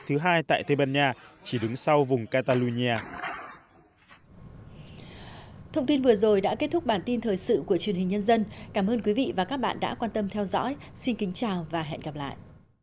thông tin vừa rồi đã kết thúc bản tin thời sự của truyền hình nhân dân cảm ơn quý vị và các bạn đã quan tâm theo dõi xin kính chào và hẹn gặp lại